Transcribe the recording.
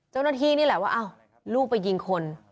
เจ้าหน้าที่นี่แหละว่าอ้าวลูกไปยิงคน